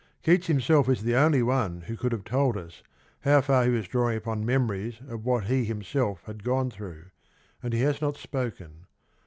Keats himself is the only one who could have told us how far he was drawing upon memories of what he himself had gone through, and he has not spoken.